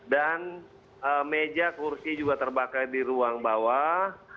dan meja kursi juga terbakar di ruang bawah